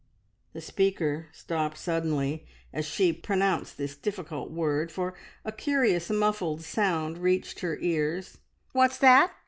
The speaker stopped suddenly as she pronounced this difficult word, for a curious muffled sound reached her ears. "What's that?"